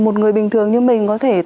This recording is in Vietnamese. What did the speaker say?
một người bình thường như mình có thể